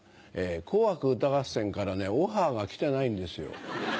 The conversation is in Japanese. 『紅白歌合戦』からオファーが来てないんですよ。